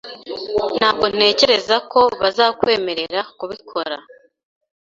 Ntabwo ntekereza ko bazakwemerera kubikora